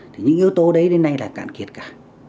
thì những yếu tố đấy đến nay là cạn kiệt cả